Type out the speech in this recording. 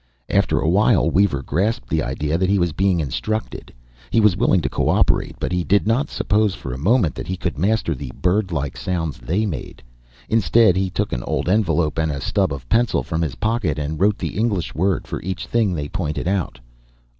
After awhile, Weaver grasped the idea that he was being instructed. He was willing to co operate, but he did not suppose for a moment that he could master the bird like sounds they made. Instead, he took an old envelope and a stub of pencil from his pocket and wrote the English word for each thing they pointed out.